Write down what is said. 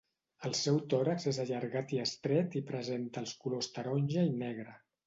El seu tòrax és allargat i estret i presenta els colors taronja i negre.